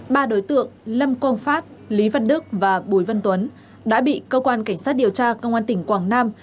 ba đối tượng lâm công phát lý văn đức và bùi văn tuấn đã bị cơ quan cảnh sát điều tra công an tỉnh quảng nam